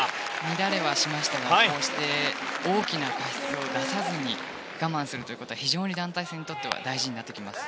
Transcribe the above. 乱れはしましたがこうして大きな過失を出さずに我慢するということは非常に団体戦にとっては大事になってきます。